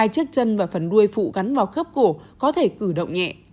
hai chiếc chân và phần đuôi phụ gắn vào khớp cổ có thể cử động nhẹ